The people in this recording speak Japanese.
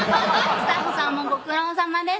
「スタッフさんもご苦労さまです